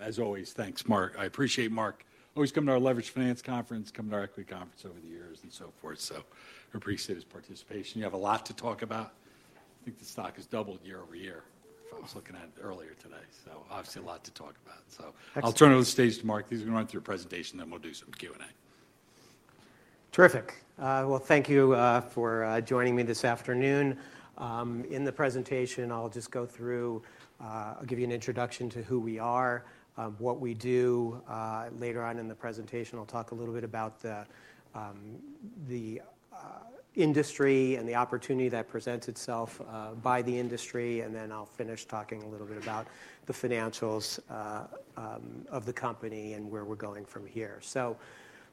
...As always, thanks, Mark. I appreciate Mark always coming to our Leveraged Finance Conference, coming to our equity conference over the years and so forth. So I appreciate his participation. You have a lot to talk about. I think the stock has doubled year-over-year, if I was looking at it earlier today. So- Excellent. I'll turn over the stage to Mark. He's gonna run through a presentation, then we'll do some Q&A. Terrific. Well, thank you for joining me this afternoon. In the presentation, I'll just go through. I'll give you an introduction to who we are, what we do. Later on in the presentation, I'll talk a little bit about the industry and the opportunity that presents itself by the industry, and then I'll finish talking a little bit about the financials of the company and where we're going from here. So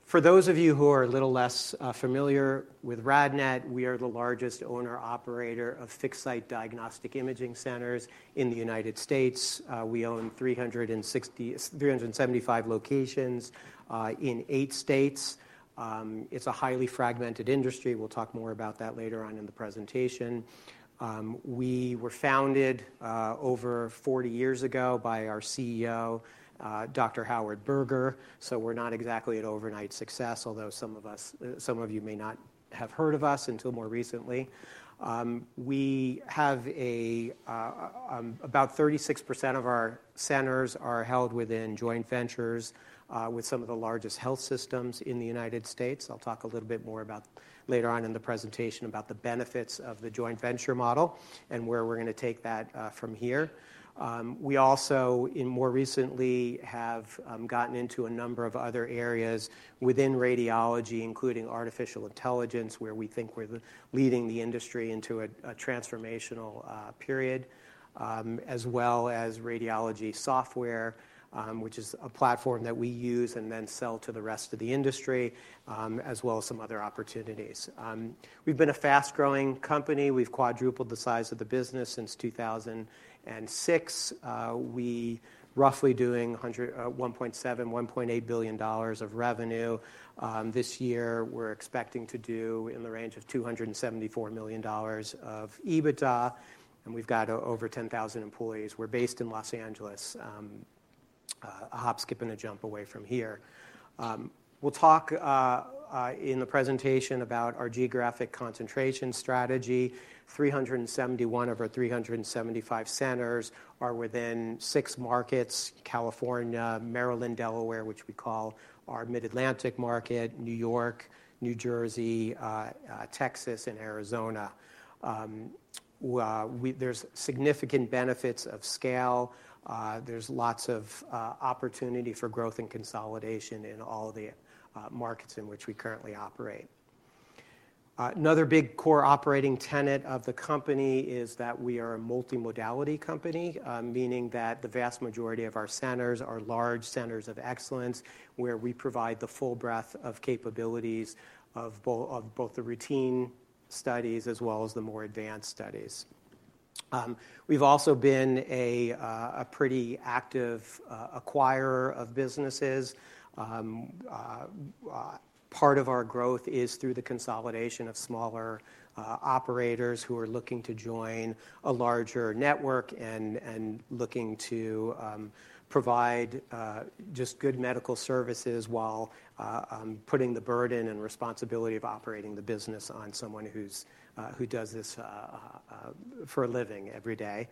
for those of you who are a little less familiar with RadNet, we are the largest owner/operator of fixed-site diagnostic imaging centers in the United States. We own 375 locations in eight states. It's a highly fragmented industry. We'll talk more about that later on in the presentation. We were founded over 40 years ago by our CEO, Dr. Howard Berger. So we're not exactly an overnight success, although some of us, some of you may not have heard of us until more recently. We have about 36% of our centers are held within joint ventures with some of the largest health systems in the United States. I'll talk a little bit more about later on in the presentation about the benefits of the joint venture model and where we're gonna take that from here. We also, in more recently, have gotten into a number of other areas within radiology, including artificial intelligence, where we think we're the leading the industry into a transformational period, as well as radiology software, which is a platform that we use and then sell to the rest of the industry, as well as some other opportunities. We've been a fast-growing company. We've quadrupled the size of the business since 2006. We roughly doing $1.7-$1.8 billion of revenue. This year, we're expecting to do in the range of $274 million of EBITDA, and we've got over 10,000 employees. We're based in Los Angeles, a hop, skip, and a jump away from here. We'll talk in the presentation about our geographic concentration strategy. 371 of our 375 centers are within 6 markets: California, Maryland, Delaware, which we call our Mid-Atlantic market, New York, New Jersey, Texas, and Arizona. There's significant benefits of scale. There's lots of opportunity for growth and consolidation in all the markets in which we currently operate. Another big core operating tenet of the company is that we are a multimodality company, meaning that the vast majority of our centers are large centers of excellence, where we provide the full breadth of capabilities of both the routine studies as well as the more advanced studies. We've also been a pretty active acquirer of businesses. Part of our growth is through the consolidation of smaller operators who are looking to join a larger network and looking to provide just good medical services while putting the burden and responsibility of operating the business on someone who does this for a living every day.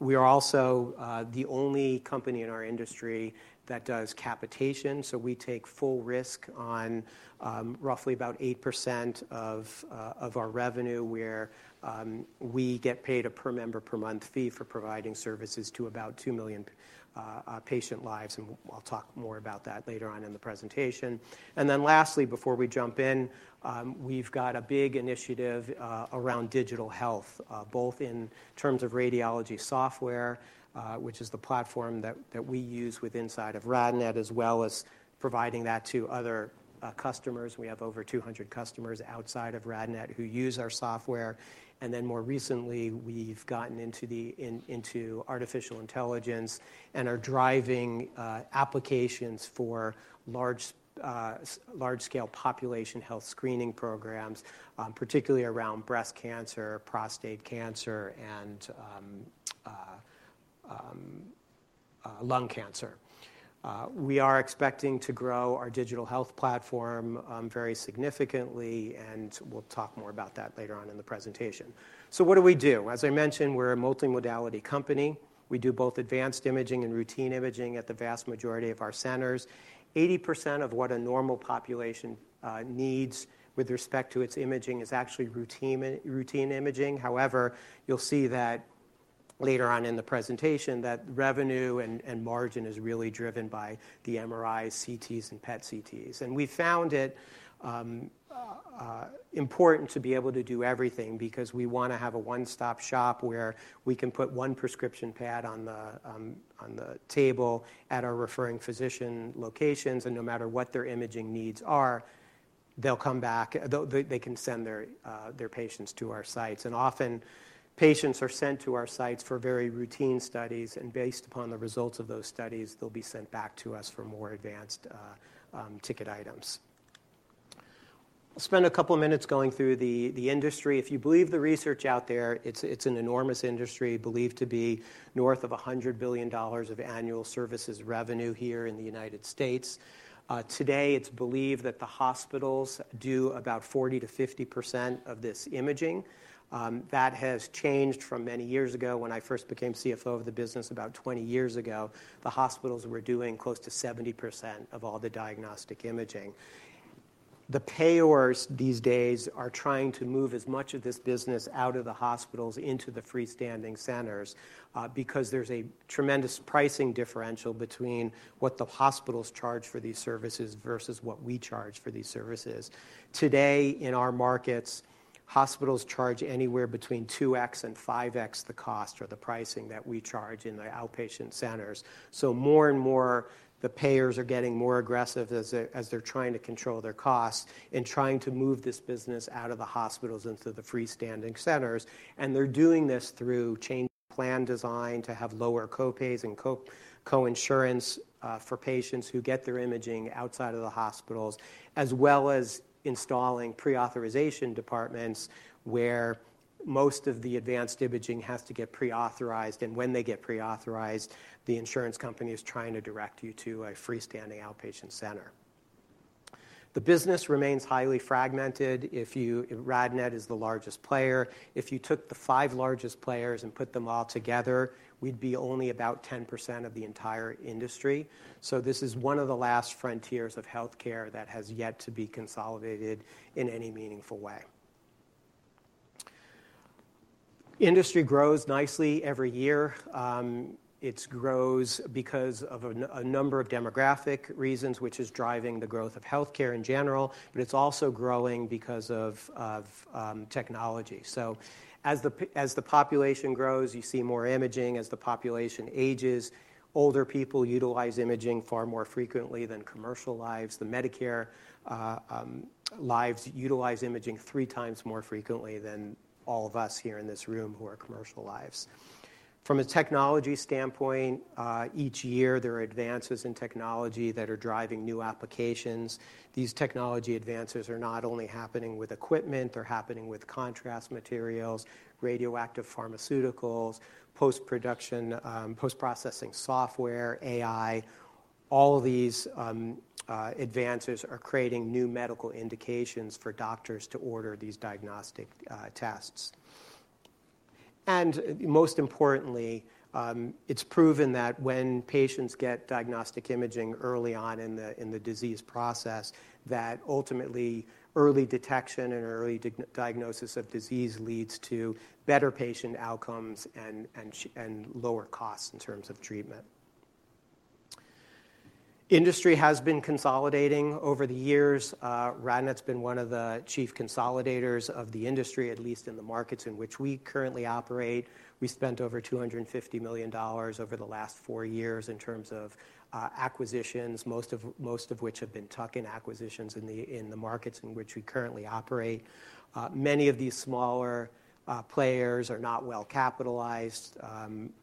We are also the only company in our industry that does capitation, so we take full risk on roughly about 8% of our revenue, where we get paid a per-member-per-month fee for providing services to about 2 million patient lives, and I'll talk more about that later on in the presentation. Then lastly, before we jump in, we've got a big initiative around digital health, both in terms of radiology software, which is the platform that we use within RadNet, as well as providing that to other customers. We have over 200 customers outside of RadNet who use our software. And then more recently, we've gotten into artificial intelligence and are driving applications for large-scale population health screening programs, particularly around breast cancer, prostate cancer, and lung cancer. We are expecting to grow our digital health platform very significantly, and we'll talk more about that later on in the presentation. So what do we do? As I mentioned, we're a multimodality company. We do both advanced imaging and routine imaging at the vast majority of our centers. 80% of what a normal population needs with respect to its imaging is actually routine imaging. However, you'll see that later on in the presentation, that revenue and margin is really driven by the MRIs, CTs, and PET/CTs. We found it important to be able to do everything because we wanna have a one-stop shop where we can put one prescription pad on the table at our referring physician locations, and no matter what their imaging needs are, they can send their patients to our sites. Often, patients are sent to our sites for very routine studies, and based upon the results of those studies, they'll be sent back to us for more advanced big-ticket items. I'll spend a couple minutes going through the industry. If you believe the research out there, it's an enormous industry, believed to be north of $100 billion of annual services revenue here in the United States. Today, it's believed that the hospitals do about 40%-50% of this imaging. That has changed from many years ago when I first became CFO of the business about 20 years ago. The hospitals were doing close to 70% of all the diagnostic imaging. The payers these days are trying to move as much of this business out of the hospitals into the freestanding centers, because there's a tremendous pricing differential between what the hospitals charge for these services versus what we charge for these services. Today, in our markets, hospitals charge anywhere between 2x and 5x the cost or the pricing that we charge in the outpatient centers. So more and more, the payers are getting more aggressive as they, as they're trying to control their costs and trying to move this business out of the hospitals into the freestanding centers. They're doing this through changing plan design to have lower co-pays and co-insurance for patients who get their imaging outside of the hospitals, as well as installing pre-authorization departments, where most of the advanced imaging has to get pre-authorized. When they get pre-authorized, the insurance company is trying to direct you to a freestanding outpatient center. The business remains highly fragmented. RadNet is the largest player. If you took the five largest players and put them all together, we'd be only about 10% of the entire industry. So this is one of the last frontiers of healthcare that has yet to be consolidated in any meaningful way. Industry grows nicely every year. It grows because of a number of demographic reasons, which is driving the growth of healthcare in general, but it's also growing because of technology. So as the population grows, you see more imaging. As the population ages, older people utilize imaging far more frequently than commercial lives. The Medicare lives utilize imaging three times more frequently than all of us here in this room who are commercial lives. From a technology standpoint, each year, there are advances in technology that are driving new applications. These technology advances are not only happening with equipment, they're happening with contrast materials, radioactive pharmaceuticals, post-processing software, AI. All of these advances are creating new medical indications for doctors to order these diagnostic tests. Most importantly, it's proven that when patients get diagnostic imaging early on in the disease process, that ultimately, early detection and early diagnosis of disease leads to better patient outcomes and lower costs in terms of treatment. Industry has been consolidating over the years. RadNet's been one of the chief consolidators of the industry, at least in the markets in which we currently operate. We spent over $250 million over the last 4 years in terms of acquisitions, most of which have been tuck-in acquisitions in the markets in which we currently operate. Many of these smaller players are not well-capitalized.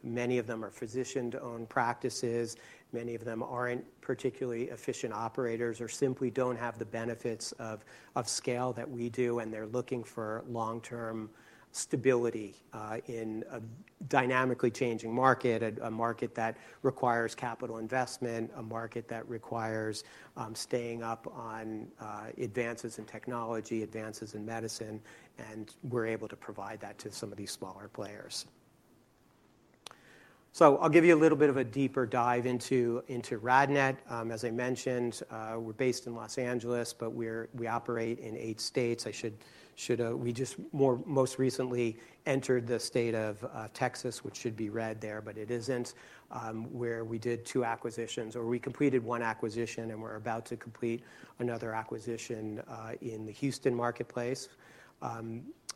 Many of them are physician-owned practices. Many of them aren't particularly efficient operators or simply don't have the benefits of scale that we do, and they're looking for long-term stability in a dynamically changing market, a market that requires capital investment, a market that requires staying up on advances in technology, advances in medicine, and we're able to provide that to some of these smaller players. So I'll give you a little bit of a deeper dive into RadNet. As I mentioned, we're based in Los Angeles, but we operate in eight states. We just most recently entered the state of Texas, which should be red there, but it isn't, where we did two acquisitions, or we completed one acquisition, and we're about to complete another acquisition in the Houston marketplace.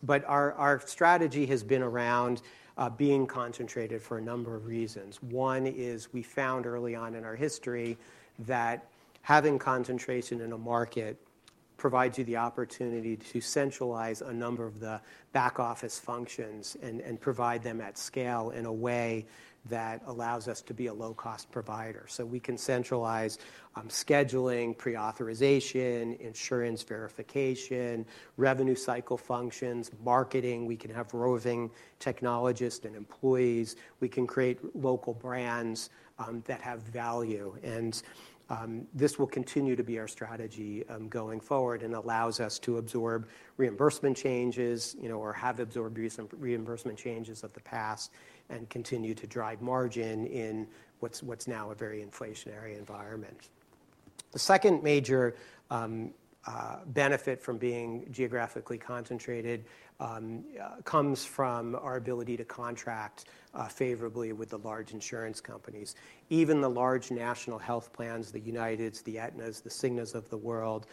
But our strategy has been around being concentrated for a number of reasons. One is we found early on in our history that having concentration in a market provides you the opportunity to centralize a number of the back-office functions and provide them at scale in a way that allows us to be a low-cost provider. So we can centralize scheduling, pre-authorization, insurance verification, revenue cycle functions, marketing. We can have roving technologists and employees. We can create local brands that have value, and this will continue to be our strategy going forward and allows us to absorb reimbursement changes, you know, or have absorbed reimbursement changes of the past and continue to drive margin in what's now a very inflationary environment. The second major benefit from being geographically concentrated comes from our ability to contract favorably with the large insurance companies. Even the large national health plans, the Uniteds, the Aetnas, the Cignas of the world,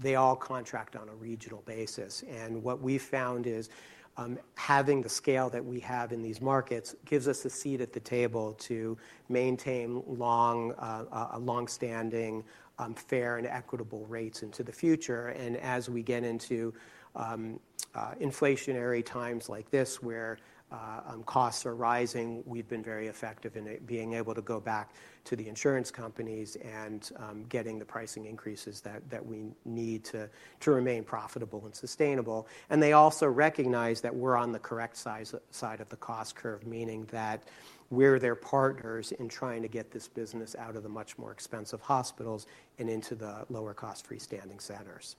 they all contract on a regional basis. And what we found is, having the scale that we have in these markets gives us a seat at the table to maintain a long-standing fair and equitable rates into the future. And as we get into inflationary times like this, where costs are rising, we've been very effective in being able to go back to the insurance companies and getting the pricing increases that we need to remain profitable and sustainable. They also recognize that we're on the correct side of the cost curve, meaning that we're their partners in trying to get this business out of the much more expensive hospitals and into the lower-cost freestanding centers.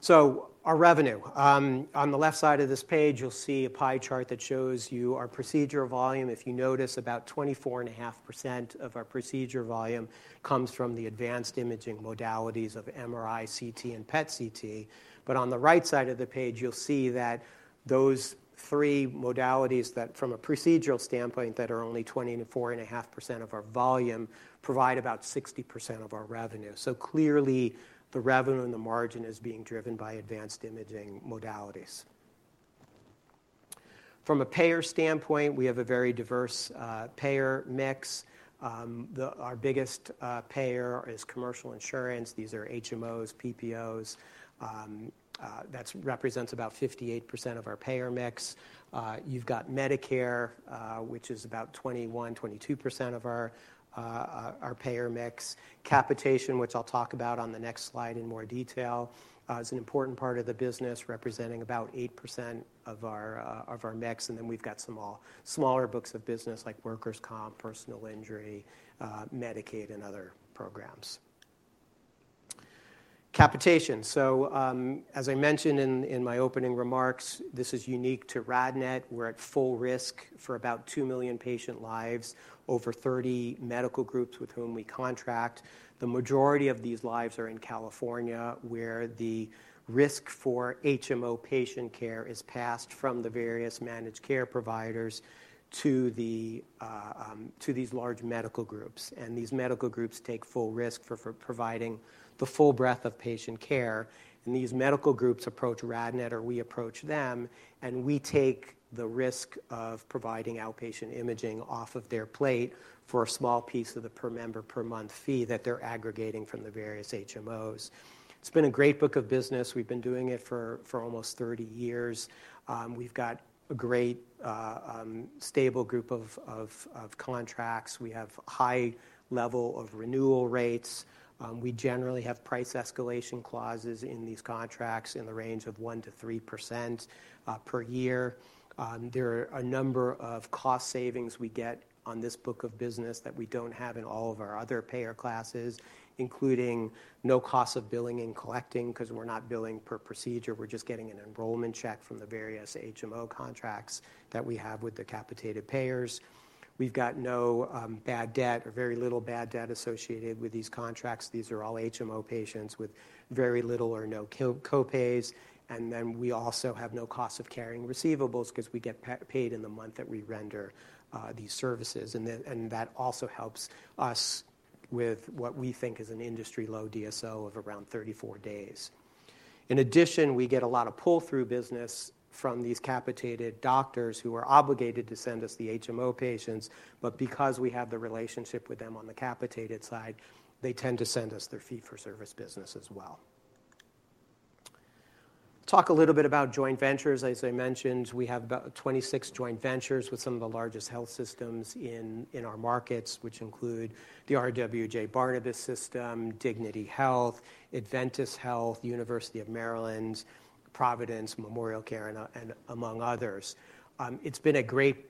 So our revenue. On the left side of this page, you'll see a pie chart that shows you our procedure volume. If you notice, about 24.5% of our procedure volume comes from the advanced imaging modalities of MRI, CT, and PET/CT. But on the right side of the page, you'll see that those three modalities that from a procedural standpoint are only 24.5% of our volume provide about 60% of our revenue. So clearly, the revenue and the margin is being driven by advanced imaging modalities. From a payer standpoint, we have a very diverse payer mix. Our biggest payer is commercial insurance. These are HMOs, PPOs. That represents about 58% of our payer mix. You've got Medicare, which is about 21-22% of our payer mix. Capitation, which I'll talk about on the next slide in more detail, is an important part of the business, representing about 8% of our mix, and then we've got some smaller books of business like workers' comp, personal injury, Medicaid, and other programs. Capitation. So, as I mentioned in my opening remarks, this is unique to RadNet. We're at full risk for about 2 million patient lives, over 30 medical groups with whom we contract. The majority of these lives are in California, where the risk for HMO patient care is passed from the various managed care providers to these large medical groups. These medical groups take full risk for providing the full breadth of patient care. These medical groups approach RadNet, or we approach them, and we take the risk of providing outpatient imaging off of their plate for a small piece of the per-member per month fee that they're aggregating from the various HMOs. It's been a great book of business. We've been doing it for almost 30 years. We've got a great stable group of contracts. We have high level of renewal rates. We generally have price escalation clauses in these contracts in the range of 1%-3% per year. There are a number of cost savings we get on this book of business that we don't have in all of our other payer classes, including no cost of billing and collecting, 'cause we're not billing per procedure. We're just getting an enrollment check from the various HMO contracts that we have with the capitated payers. We've got no bad debt or very little bad debt associated with these contracts. These are all HMO patients with very little or no copays. And then we also have no cost of carrying receivables 'cause we get paid in the month that we render these services. And then, and that also helps us with what we think is an industry-low DSO of around 34 days. In addition, we get a lot of pull-through business from these capitated doctors who are obligated to send us the HMO patients, but because we have the relationship with them on the capitated side, they tend to send us their fee-for-service business as well. Talk a little bit about joint ventures. As I mentioned, we have about 26 joint ventures with some of the largest health systems in our markets, which include the RWJBarnabas System, Dignity Health, Adventist Health, University of Maryland, Providence, MemorialCare, and among others. It's been a great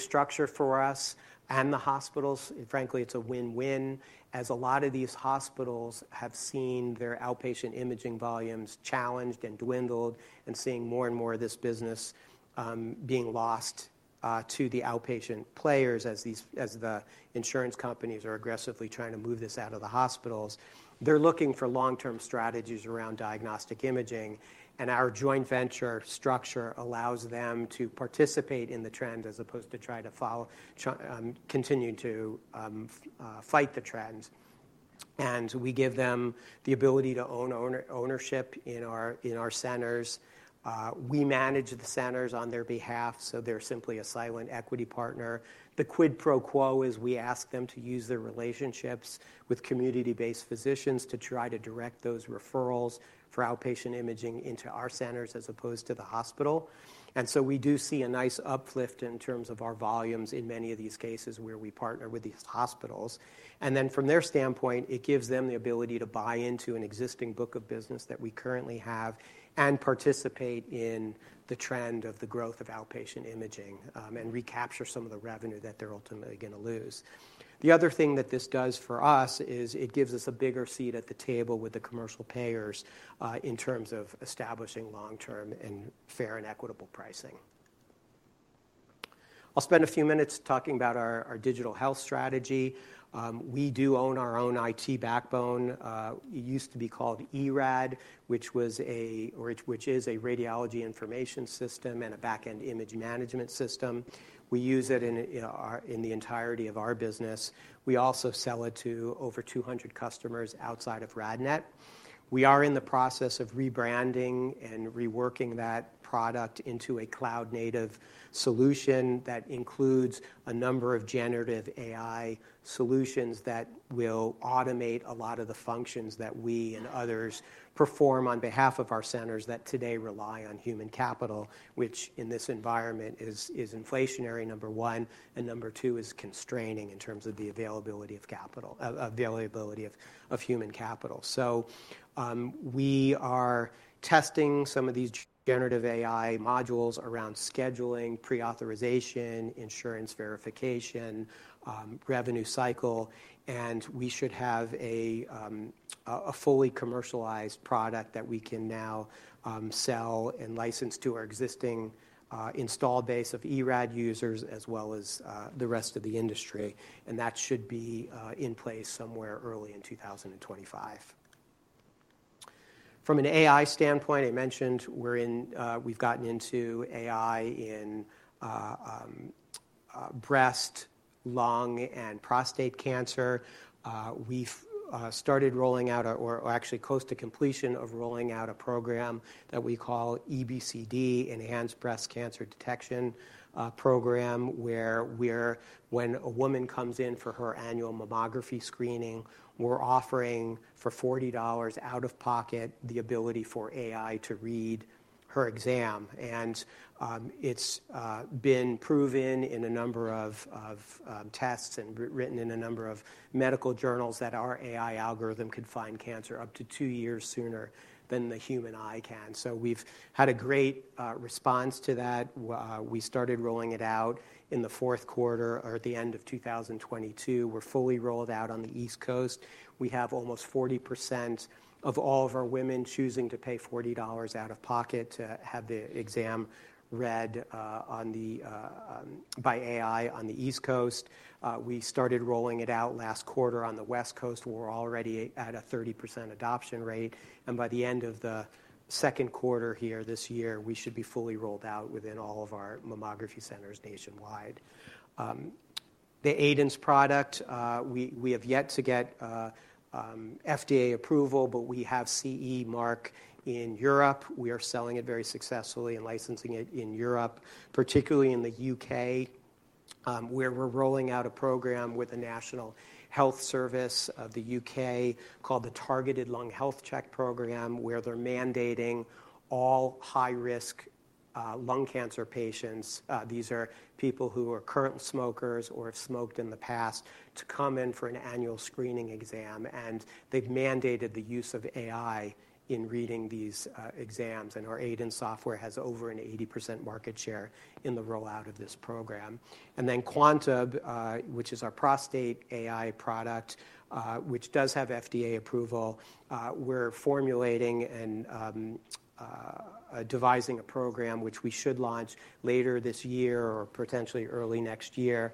structure for us and the hospitals. Frankly, it's a win-win, as a lot of these hospitals have seen their outpatient imaging volumes challenged and dwindled, and seeing more and more of this business being lost to the outpatient players as the insurance companies are aggressively trying to move this out of the hospitals. They're looking for long-term strategies around diagnostic imaging, and our joint venture structure allows them to participate in the trend as opposed to try to follow, continue to fight the trends. And we give them the ability to own ownership in our centers. We manage the centers on their behalf, so they're simply a silent equity partner. The quid pro quo is we ask them to use their relationships with community-based physicians to try to direct those referrals for outpatient imaging into our centers as opposed to the hospital. We do see a nice uplift in terms of our volumes in many of these cases where we partner with these hospitals. From their standpoint, it gives them the ability to buy into an existing book of business that we currently have and participate in the trend of the growth of outpatient imaging, and recapture some of the revenue that they're ultimately gonna lose. The other thing that this does for us is it gives us a bigger seat at the table with the commercial payers, in terms of establishing long-term and fair and equitable pricing. I'll spend a few minutes talking about our digital health strategy. We do own our own IT backbone. It used to be called eRAD, which is a radiology information system and a back-end image management system. We use it in our in the entirety of our business. We also sell it to over 200 customers outside of RadNet. We are in the process of rebranding and reworking that product into a cloud-native solution that includes a number of generative AI solutions that will automate a lot of the functions that we and others perform on behalf of our centers that today rely on human capital, which, in this environment, is inflationary, number one, and number two, is constraining in terms of the availability of capital, availability of human capital. So, we are testing some of these generative AI modules around scheduling, pre-authorization, insurance verification. revenue cycle, and we should have a fully commercialized product that we can now sell and license to our existing installed base of eRAD users, as well as the rest of the industry, and that should be in place somewhere early in 2025. From an AI standpoint, I mentioned we've gotten into AI in breast, lung, and prostate cancer. We've started rolling out or actually close to completion of rolling out a program that we call EBCD, Enhanced Breast Cancer Detection program, where, when a woman comes in for her annual mammography screening, we're offering, for $40 out of pocket, the ability for AI to read her exam. And, it's been proven in a number of tests and written in a number of medical journals that our AI algorithm could find cancer up to two years sooner than the human eye can. So we've had a great response to that. We started rolling it out in the fourth quarter or at the end of 2022. We're fully rolled out on the East Coast. We have almost 40% of all of our women choosing to pay $40 out of pocket to have the exam read by AI on the East Coast. We started rolling it out last quarter on the West Coast. We're already at a 30% adoption rate, and by the end of the second quarter here this year, we should be fully rolled out within all of our mammography centers nationwide. The Aidence product, we, we have yet to get FDA approval, but we have CE mark in Europe. We are selling it very successfully and licensing it in Europe, particularly in the U.K., where we're rolling out a program with the National Health Service of the U.K., called the Targeted Lung Health Check program, where they're mandating all high-risk lung cancer patients, these are people who are current smokers or have smoked in the past, to come in for an annual screening exam. They've mandated the use of AI in reading these exams, and our Aidence software has over 80% market share in the rollout of this program. Then Quantib, which is our prostate AI product, which does have FDA approval, we're formulating and devising a program, which we should launch later this year or potentially early next year,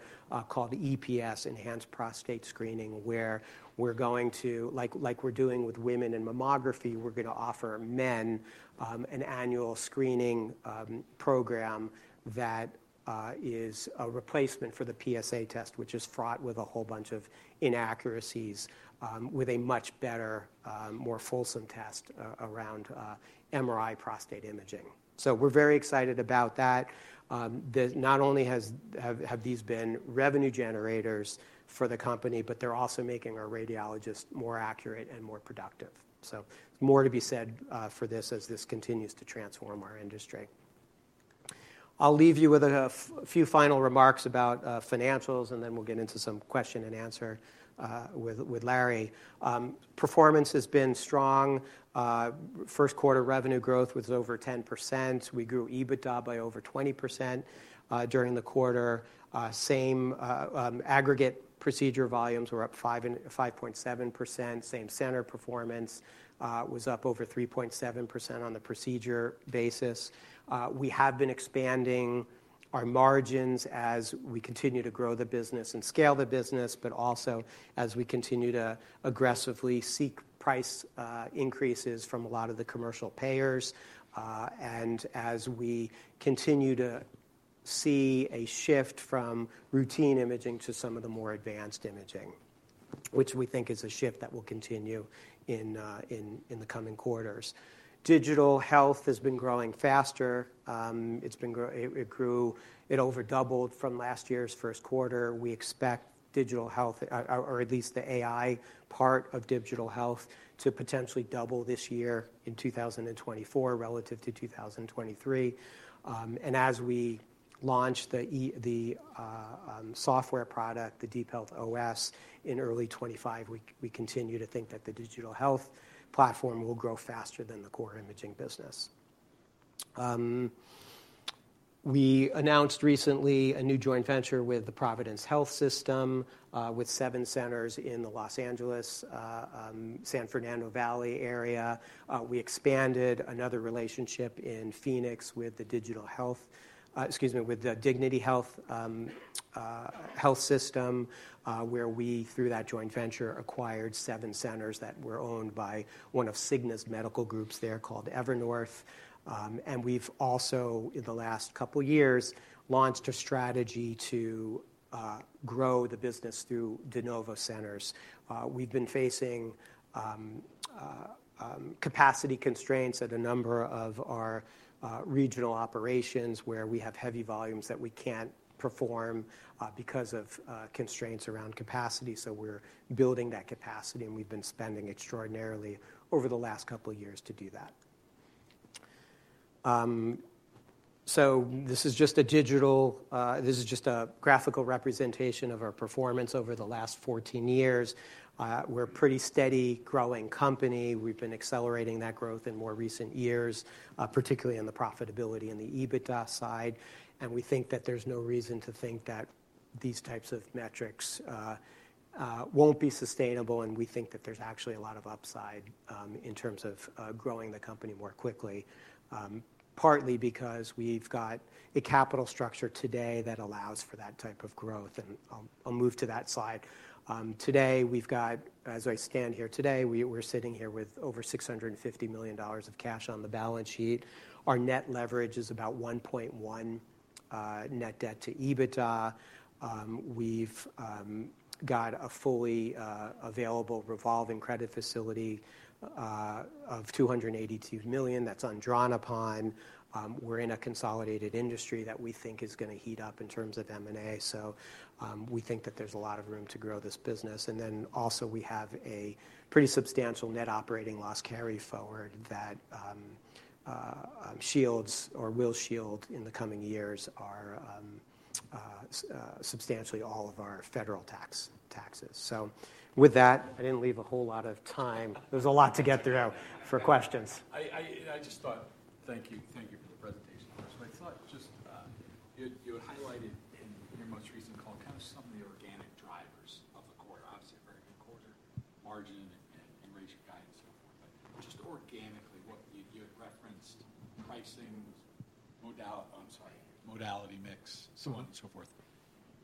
called EPS, Enhanced Prostate Screening, where we're going to—like, like we're doing with women in mammography, we're gonna offer men an annual screening program that is a replacement for the PSA test, which is fraught with a whole bunch of inaccuracies, with a much better, more fulsome test around MRI prostate imaging. So we're very excited about that. Not only have these been revenue generators for the company, but they're also making our radiologists more accurate and more productive. So more to be said for this as this continues to transform our industry. I'll leave you with a few final remarks about financials, and then we'll get into some question and answer with Larry. Performance has been strong. First quarter revenue growth was over 10%. We grew EBITDA by over 20% during the quarter. Same aggregate procedure volumes were up 5 and 5.7%. Same center performance was up over 3.7% on the procedure basis. We have been expanding our margins as we continue to grow the business and scale the business, but also as we continue to aggressively seek price increases from a lot of the commercial payers, and as we continue to see a shift from routine imaging to some of the more advanced imaging, which we think is a shift that will continue in the coming quarters. Digital health has been growing faster. It grew. It over doubled from last year's first quarter. We expect digital health, or at least the AI part of digital health, to potentially double this year in 2024 relative to 2023. As we launch the software product, the DeepHealth OS, in early 2025, we continue to think that the digital health platform will grow faster than the core imaging business. We announced recently a new joint venture with the Providence Health system, with seven centers in the Los Angeles San Fernando Valley area. We expanded another relationship in Phoenix, excuse me, with the Dignity Health health system, where we, through that joint venture, acquired seven centers that were owned by one of Cigna's medical groups there called Evernorth. And we've also, in the last couple of years, launched a strategy to grow the business through de novo centers. We've been facing capacity constraints at a number of our regional operations, where we have heavy volumes that we can't perform because of constraints around capacity. So we're building that capacity, and we've been spending extraordinarily over the last couple of years to do that. So this is just a graphical representation of our performance over the last 14 years. We're a pretty steady, growing company. We've been accelerating that growth in more recent years, particularly in the profitability and the EBITDA side, and we think that there's no reason to think that these types of metrics won't be sustainable, and we think that there's actually a lot of upside in terms of growing the company more quickly. Partly because we've got a capital structure today that allows for that type of growth, and I'll move to that slide. Today, we've got, as I stand here today, we're sitting here with over $650 million of cash on the balance sheet. Our net leverage is about 1.1 net debt to EBITDA. We've got a fully available revolving credit facility of $282 million that's undrawn upon. We're in a consolidated industry that we think is gonna heat up in terms of M&A, so we think that there's a lot of room to grow this business. And then also, we have a pretty substantial net operating loss carryforward that shields or will shield in the coming years, our substantially all of our federal tax, taxes. So with that, I didn't leave a whole lot of time. There's a lot to get through for questions. I just thought— Thank you. Thank you for the presentation. I thought just, you had highlighted in your most recent call, kind of some of the organic drivers of the quarter. Obviously, a very good quarter, margin and raise your guide and so forth. But just organically, what you had referenced pricing, modal- I'm sorry, modality mix, so on and so forth.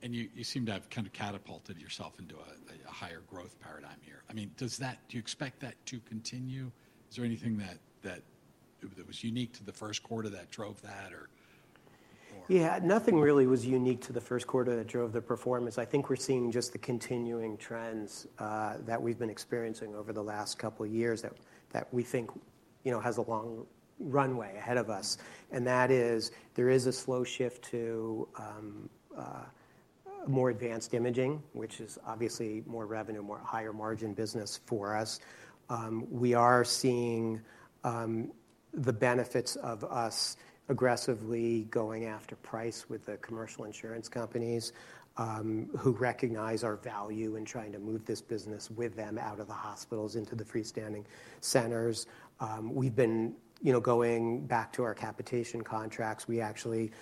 And you seem to have kind of catapulted yourself into a higher growth paradigm here. I mean, does that— Do you expect that to continue? Is there anything that was unique to the first quarter that drove that or? Yeah, nothing really was unique to the first quarter that drove the performance. I think we're seeing just the continuing trends that we've been experiencing over the last couple of years that we think, you know, has a long runway ahead of us. And that is, there is a slow shift to more advanced imaging, which is obviously more revenue, more higher margin business for us. We are seeing the benefits of us aggressively going after price with the commercial insurance companies who recognize our value in trying to move this business with them out of the hospitals into the freestanding centers. We've been, you know, going back to our capitation contracts. We actually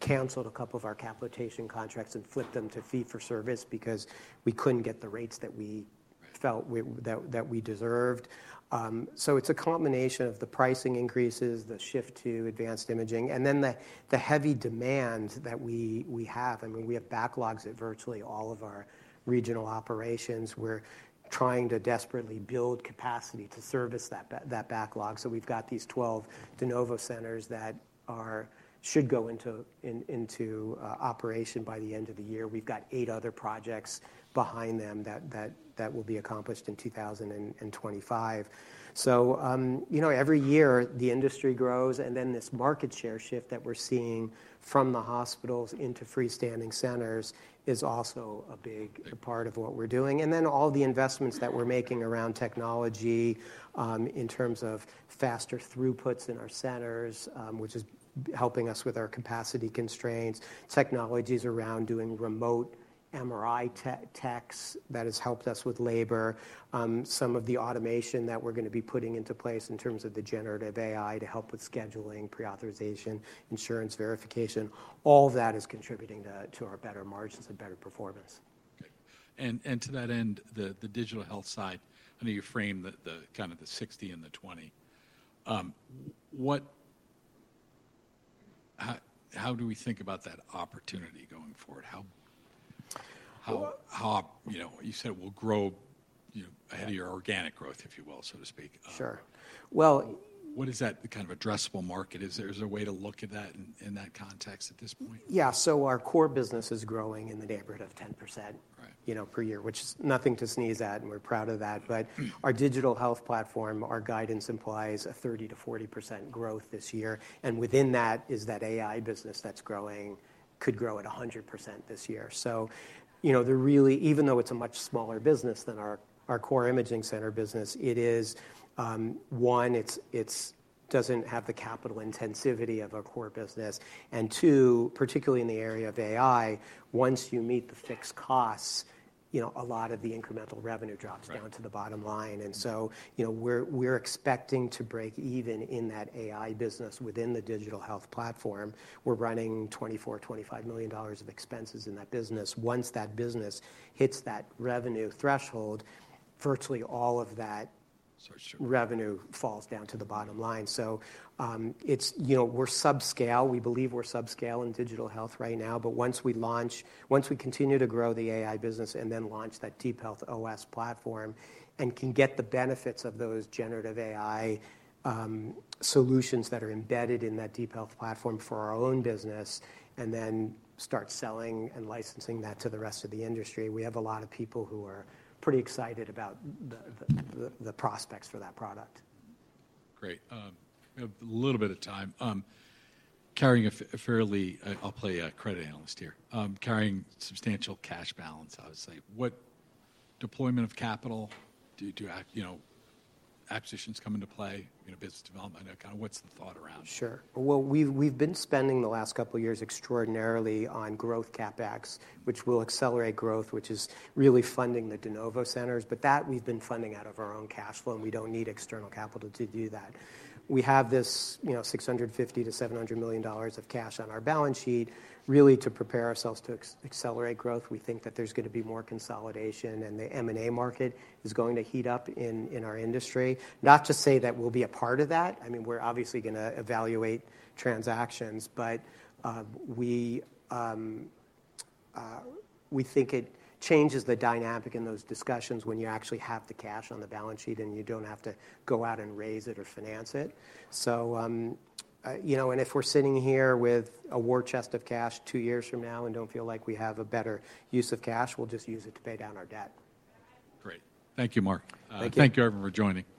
canceled a couple of our capitation contracts and flipped them to fee-for-service because we couldn't get the rates that we felt we deserved. It's a combination of the pricing increases, the shift to advanced imaging, and then the heavy demand that we have. I mean, we have backlogs at virtually all of our regional operations. We're trying to desperately build capacity to service that backlog. We've got these 12 de novo centers that should go into operation by the end of the year. We've got eight other projects behind them that will be accomplished in 2025. You know, every year, the industry grows, and then this market share shift that we're seeing from the hospitals into freestanding centers is also a big part of what we're doing. Then all the investments that we're making around technology, in terms of faster throughputs in our centers, which is helping us with our capacity constraints, technologies around doing remote MRI techs, that has helped us with labor. Some of the automation that we're gonna be putting into place in terms of the generative AI to help with scheduling, pre-authorization, insurance verification, all that is contributing to, to our better margins and better performance. Okay. And to that end, the digital health side, I know you framed the kind of the 60 and the 20. What... How do we think about that opportunity going forward? How, you know, you said it will grow, you know, ahead of your organic growth, if you will, so to speak. Sure. Well- What is that kind of addressable market? Is there a way to look at that in that context at this point? Yeah. Our core business is growing in the neighborhood of 10%- Right... you know, per year, which is nothing to sneeze at, and we're proud of that. But our digital health platform, our guidance implies a 30%-40% growth this year, and within that is that AI business that's growing, could grow at 100% this year. So you know, there really, even though it's a much smaller business than our core imaging center business, it is, one, it's doesn't have the capital intensity of our core business. And two, particularly in the area of AI, once you meet the fixed costs, you know, a lot of the incremental revenue drops- Right... down to the bottom line. And so, you know, we're, we're expecting to break even in that AI business within the digital health platform. We're running $24-$25 million of expenses in that business. Once that business hits that revenue threshold, virtually all of that- Sure, sure... revenue falls down to the bottom line. So, it's, you know, we're subscale. We believe we're subscale in digital health right now, but once we launch, once we continue to grow the AI business and then launch that DeepHealth OS platform and can get the benefits of those generative AI solutions that are embedded in that DeepHealth platform for our own business, and then start selling and licensing that to the rest of the industry, we have a lot of people who are pretty excited about the prospects for that product. Great. A little bit of time. Carrying a fairly substantial cash balance, I would say. I'll play a credit analyst here. What deployment of capital do you know, acquisitions come into play in a business development? Kind of what's the thought around? Sure. Well, we've been spending the last couple of years extraordinarily on growth CapEx, which will accelerate growth, which is really funding the de novo centers, but that we've been funding out of our own cash flow, and we don't need external capital to do that. We have this, you know, $650 million-$700 million of cash on our balance sheet, really to prepare ourselves to accelerate growth. We think that there's gonna be more consolidation, and the M&A market is going to heat up in our industry. Not to say that we'll be a part of that. I mean, we're obviously gonna evaluate transactions, but we think it changes the dynamic in those discussions when you actually have the cash on the balance sheet, and you don't have to go out and raise it or finance it. So, you know, and if we're sitting here with a war chest of cash two years from now and don't feel like we have a better use of cash, we'll just use it to pay down our debt. Great. Thank you, Mark. Thank you. Thank you, everyone, for joining.